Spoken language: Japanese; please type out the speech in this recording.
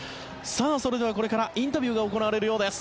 それではこれからインタビューが行われるようです。